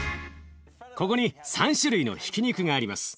ここに３種類のひき肉があります。